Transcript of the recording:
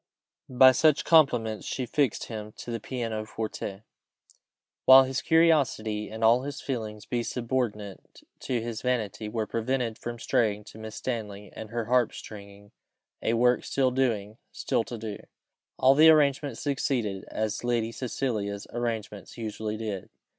By such compliments she fixed him to the piano forte, while his curiosity and all his feelings, being subordinate to his vanity, were prevented from straying to Miss Stanley and her harp stringing, a work still doing still to do. All the arrangement succeeded as Lady Cecilia's arrangements usually did.